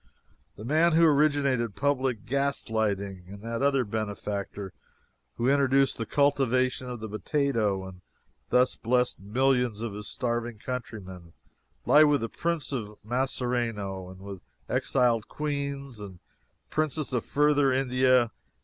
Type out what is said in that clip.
The man who originated public gas lighting, and that other benefactor who introduced the cultivation of the potato and thus blessed millions of his starving countrymen, lie with the Prince of Masserano, and with exiled queens and princes of Further India.